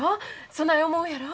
そない思うやろ？